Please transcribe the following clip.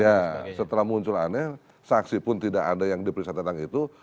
ya setelah muncul aneh saksi pun tidak ada yang diperiksa tentang itu